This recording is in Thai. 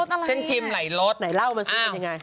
อุ๊ยอันนี้รสอะไรนะ